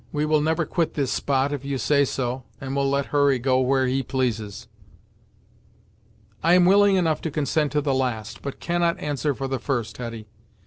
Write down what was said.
We will never quit this spot, if you say so, and will let Hurry go where he pleases." "I am willing enough to consent to the last, but cannot answer for the first, Hetty.